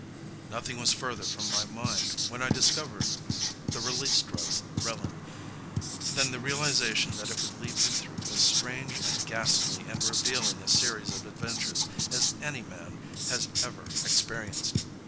COBLENTZ I Nothing was further from my mind, when I discovered the "Release Drug" Relin, than the realization that it would lead me through as strange and ghastly and revealing a series of adventures as any man has ever experienced.